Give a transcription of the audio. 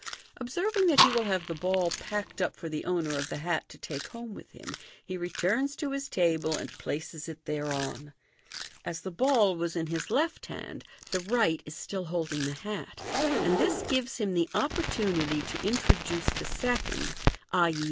Observing that he will have the ball packed up for the owner of the hat to take home with him, he returns to his table, and places it thereon. As the ball was in his left hand, the right is still holding the hat, and this gives him the opportunity to Fig. 139. introduce the second (i.e.